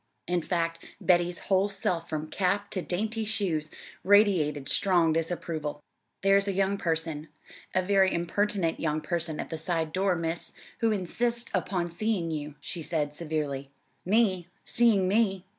In fact, Betty's whole self from cap to dainty shoes radiated strong disapproval. "There's a young person a very impertinent young person at the side door, Miss, who insists upon seeing you," she said severely. "Me? Seeing me?